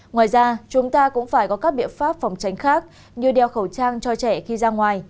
ngoài ra chúng ta cũng phải có các biện pháp phòng tránh khác như đeo khẩu trang cho trẻ khi ra ngoài